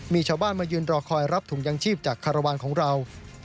มีชาวบ้านมายืนรอคอยรับถุงยังชีพจากคารวาลของเรา